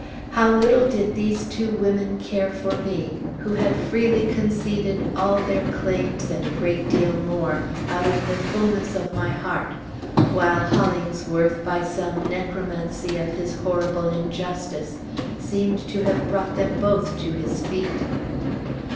How little did these two women care for me, who had freely conceded all their claims, and a great deal more, out of the fulness of my heart; while Hollingsworth, by some necromancy of his horrible injustice, seemed to have brought them both to his feet!